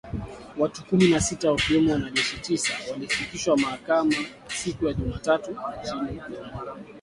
Watu kumi na sita wakiwemo wanajeshi tisa walifikishwa mahakamani siku ya Jumatatu nchini Jamhuri ya Kidemokrasia ya Kongo.